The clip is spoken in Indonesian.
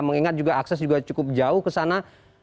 mengingat juga akses juga cukup jauh ke sana